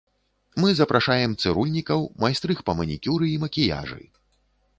Мы запрашаем цырульнікаў, майстрых па манікюры і макіяжы.